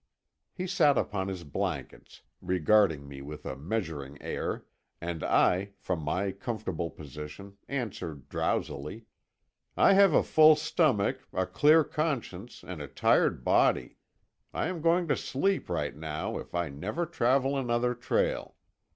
He sat upon his blankets, regarding me with a measuring air; and I, from my comfortable position, answered drowsily: "I have a full stomach, a clear conscience, and a tired body; and I am going to sleep right now, if I never travel another trail."